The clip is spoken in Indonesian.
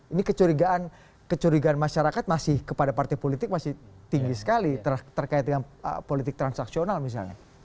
ini kecurigaan masyarakat masih kepada partai politik masih tinggi sekali terkait dengan politik transaksional misalnya